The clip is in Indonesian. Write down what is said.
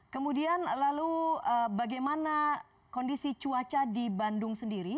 kemudian lalu bagaimana kondisi cuaca di bandung sendiri